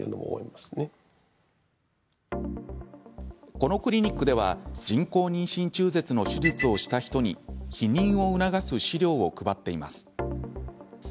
このクリニックでは人工妊娠中絶の手術をした人に避妊を促す資料を配っています。